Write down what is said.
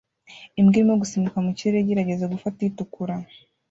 Imbwa irimo gusimbuka mu kirere igerageza gufata itukura